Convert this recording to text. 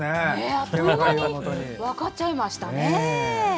あっという間に分かっちゃいましたね。